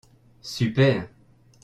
Super.